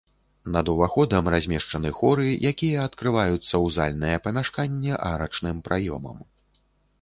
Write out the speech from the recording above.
Над уваходам размешчаны хоры, якія адкрываюцца ў зальнае памяшканне арачным праёмам.